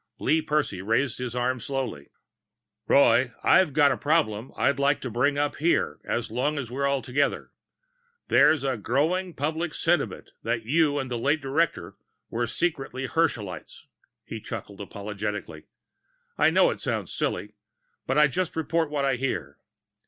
Lee Percy raised an arm slowly. "Roy, I've got a problem I'd like to bring up here, as long as we're all together. There's a growing public sentiment that you and the late director were secretly Herschelites." He chuckled apologetically. "I know it sounds silly, but I just report what I hear."